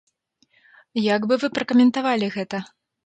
Як бы вы пракаментавалі гэта?